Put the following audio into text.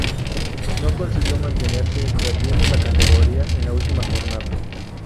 No consiguió mantenerse, perdiendo la categoría en la última jornada.